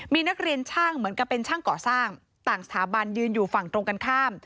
มีนักเรียนช่างเหมือนกับเป็นช่างก่อสร้างต่างสถาบันยืนอยู่ฝั่งตรงกันข้าม